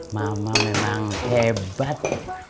mama memang hebat